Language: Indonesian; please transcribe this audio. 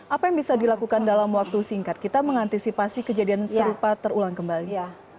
apa yang bisa dilakukan dalam waktu singkat kita mengantisipasi kejadian serupa terulang kembali